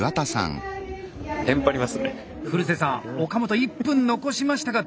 古瀬さん岡本１分残しましたがどうでしょう？